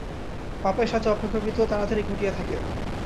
পাপের সাজা অপেক্ষাকৃত তাড়াতাড়ি ঘটিয়া থাকে।